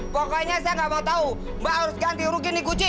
pokoknya saya nggak mau tahu mbak harus ganti rugi nih kucing